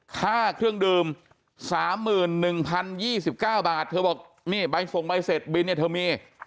ค่าเครื่องดื่ม๓๑๐๒๙บาทเธอบอกนี่ใบส่งใบเสร็จบินเนี่ยเธอมี